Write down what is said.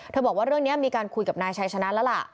บอกว่าเรื่องนี้มีการคุยกับนายชัยชนะแล้วล่ะ